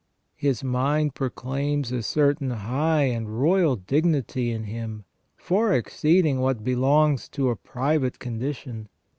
His mind proclaims a certain high and royal dignity in him, far exceeding what belongs to a private condition.